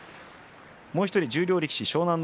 もう１人、十両の力士湘南乃